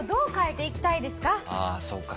ああそうか。